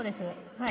はい。